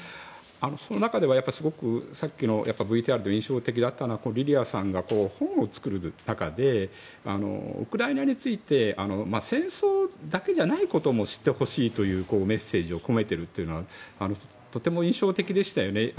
その中では、さっきのＶＴＲで印象的だったのはリリアさんが本を作る中でウクライナについて戦争だけじゃないことも知ってほしいというメッセージを込めているのはとても印象的でしたよね。